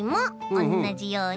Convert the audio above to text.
おんなじように？